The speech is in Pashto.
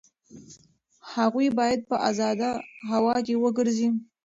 هغوی باید په ازاده هوا کې وګرځي.